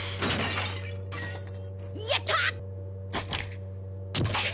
やった！